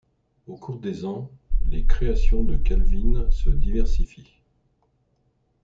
Au cours des ans, les créations de Calvin se diversifient.